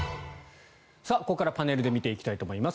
ここからはパネルで見ていきたいと思います。